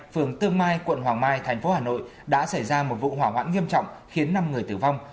phường tương mai quận hoàng mai thành phố hà nội đã xảy ra một vụ hỏa hoạn nghiêm trọng khiến năm người tử vong